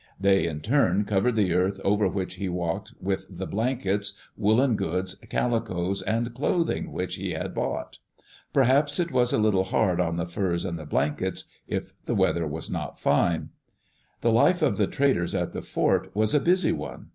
They, in turn, covered the earth over which he walked with the blankets, woolen goods, calicoes, and clothing which he had bought. Per 73850lgie EARLY DAYS IN OLD OREGON haps it was a little hard on the furs and the blankets, if die weather was not fine. The life of the traders at the fort was a busy one.